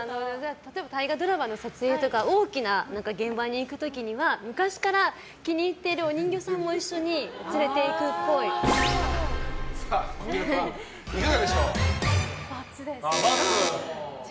例えば、大河ドラマの撮影とか大きな現場に行く時には昔から気に入っているお人形さんも一緒にこれはいかがでしょう？×です。